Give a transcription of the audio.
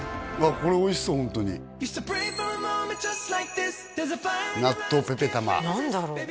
これおいしそうホントに納豆ペペタマ何だろう？